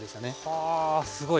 はあすごい。